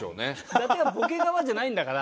伊達はボケ側じゃないんだから。